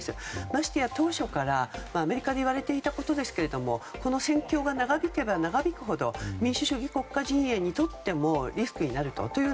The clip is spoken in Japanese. ましてや当初からアメリカで言われていたことですがこの戦況が長引けば長引くほど民主主義国家陣営にとってもリスクになる。